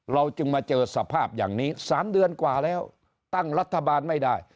เราจึงมาเจอสภาพอย่างนี้๓เดือนกว่าแล้วตั้งรัฐบาลไม่ได้